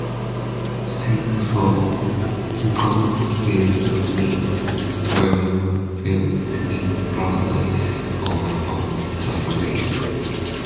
Scenes from "Gone with the Wind" were filmed in Paradise off of Stark Lane.